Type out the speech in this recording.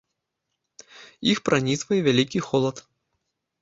Іх пранізвае вялікі холад.